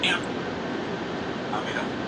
هغه د تاریخ دپاره تر پایه پوري اهمېشه پاته سو.